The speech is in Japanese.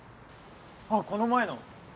あっこの前の。